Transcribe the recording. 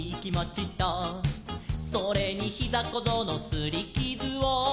「それにひざこぞうのすりきずを」